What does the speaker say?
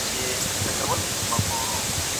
ولي د خپلو اصولو خلاف کار کول ذهن ناارامه کوي؟